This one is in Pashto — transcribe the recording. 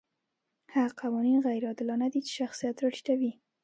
هغه قوانین غیر عادلانه دي چې شخصیت راټیټوي.